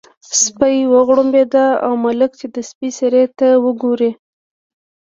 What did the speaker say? سپی وغړمبېد او ملک چې د سپي څېرې ته وګوري.